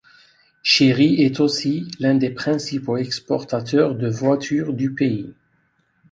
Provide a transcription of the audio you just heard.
Chery est aussi l'un des principaux exportateurs de voitures du pays.